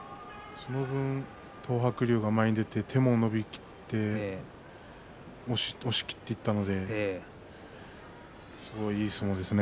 その分東白龍が前に出て押し切っていったんですごくいい相撲ですね。